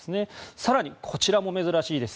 更に、こちらも珍しいです。